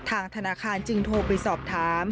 ทางธนาคารจึงโทรไปสอบถาม